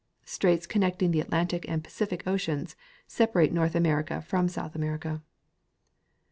Straits con necting the Atlantic and Pacific oceans separate North America from South America.